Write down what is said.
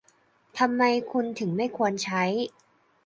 ทำไมคุณถึงไม่ควรใช้